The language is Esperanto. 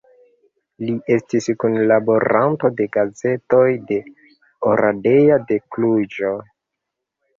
Li estis kunlaboranto de gazetoj de Oradea, de Kluĵo.